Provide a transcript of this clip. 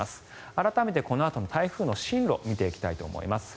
改めて、このあとの台風の進路見ていきたいと思います。